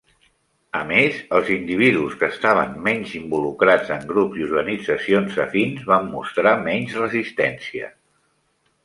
A més, els individus que estaven menys involucrats en grups i organitzacions afins van mostrar menys resistència.